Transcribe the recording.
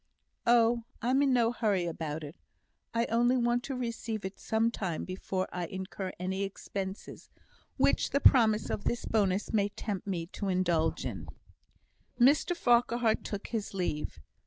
"Oh! I'm in no hurry about it. I only want to receive it some time before I incur any expenses, which the promise of this bonus may tempt me to indulge in." Mr Farquhar took his leave.